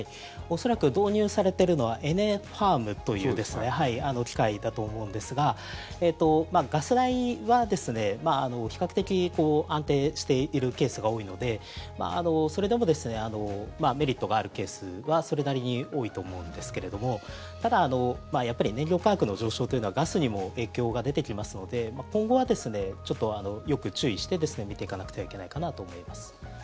恐らく導入されているのはエネファームという機械だと思うんですがガス代は比較的安定しているケースが多いのでそれでもメリットがあるケースはそれなりに多いと思うんですけどただ、燃料価格の上昇というのはガスにも影響が出てきますので今後は、よく注意して見ていかなくてはいけないかなと思います。